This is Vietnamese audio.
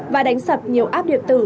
và đánh sập nhiều áp điệp tử